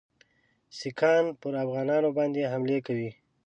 سیکهان پر افغانانو باندي حملې کوي.